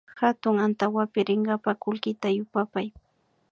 Hatun antawapi rinkapa kullkita yupapay